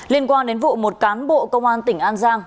liên quan đến vụ một cán bộ công an tỉnh an giang